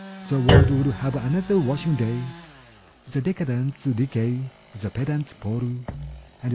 The world will have another washing day; The decadents decay; the pedants pall; And H.G.